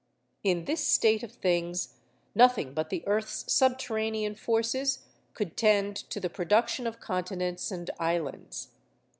In this state of things, nothing but the earth's subterranean forces could tend to the production of continents and islands.